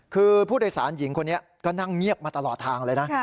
คือผู้โดยสารหญิงคนนี้ก็นั่งเงียบมาตลอดทางเลยนะ